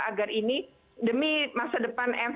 agar ini demi masa depan